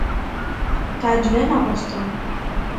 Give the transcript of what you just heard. Teɛjeb-aneɣ Boston.